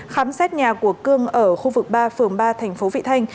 khám xét nhà của cương ở khu vực ba phường ba thành phố vị thanh